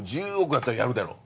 やったらやるやろ。